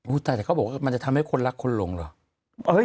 แต่เขาบอกว่ามันจะทำให้คนรักคนหลงเหรอ